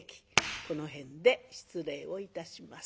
この辺で失礼をいたします。